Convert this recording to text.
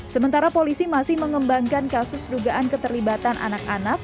sementara polisi masih mengembangkan kasus dugaan keterlibatan anak anak